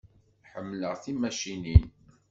Ḥemmleɣ timacinin.